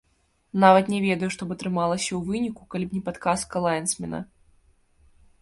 Нават не ведаю, што б атрымалася ў выніку, калі б не падказка лайнсмена.